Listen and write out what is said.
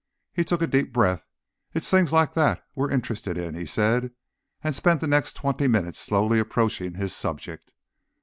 He took a deep breath. "It's things like that we're interested in," he said, and spent the next twenty minutes slowly approaching his subject.